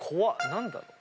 何だろう？